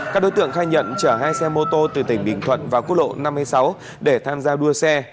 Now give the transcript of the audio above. các đối tượng khai nhận chở hai xe mô tô từ tỉnh bình thuận vào quốc lộ năm mươi sáu để tham gia đua xe